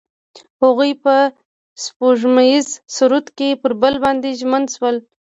هغوی په سپوږمیز سرود کې پر بل باندې ژمن شول.